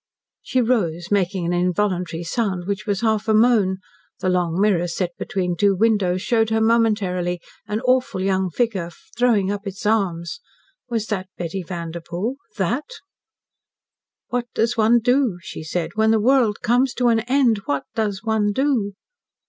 She rose, making an involuntary sound which was half a moan. The long mirror set between two windows showed her momentarily an awful young figure, throwing up its arms. Was that Betty Vanderpoel that? "What does one do," she said, "when the world comes to an end? What does one do?"